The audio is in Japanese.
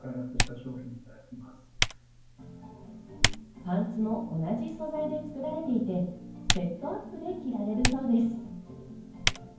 パンツも同じ素材で作られていて、セットアップで着られるそうです。